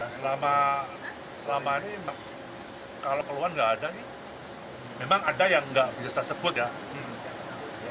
selama ini kalau keluhan enggak ada memang ada yang enggak bisa saya sebut ya